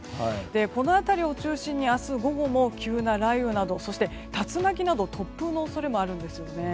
この辺りを中心に明日午後も急な雷雨などそして竜巻など突風の恐れもあるんですよね。